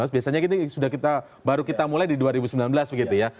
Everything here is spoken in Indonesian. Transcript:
biasanya kita baru kita mulai di dua ribu sembilan belas begitu ya